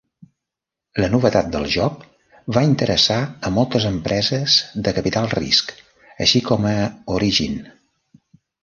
La novetat del joc va interessar a moltes empreses de capital risc, així com a Origin.